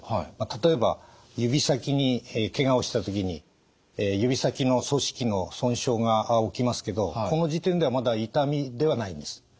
例えば指先にけがをした時に指先の組織の損傷が起きますけどこの時点ではまだ痛みではないんです。